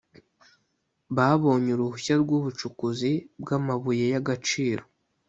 Babonye uruhushya rw’ubucukuzi bw’amabuye y’agaciro